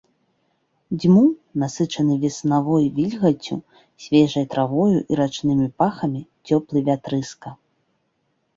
Дзьмуў, насычаны веснавой вільгаццю, свежай травой і рачнымі пахамі, цёплы вятрыска.